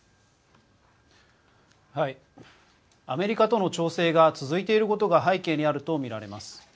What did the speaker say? アメリカとの調整が続いていることが背景にあると見られます。